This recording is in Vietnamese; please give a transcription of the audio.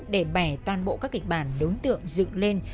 để bẻ toàn bộ các kịch bản đối tượng dựng lên